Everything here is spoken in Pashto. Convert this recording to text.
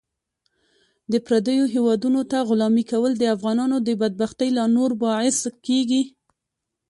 د پردیو هیوادونو ته غلامي کول د افغانانو د بدبختۍ لا نور باعث کیږي .